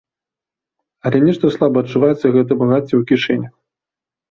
Але нешта слаба адчуваецца гэтае багацце ў кішэнях.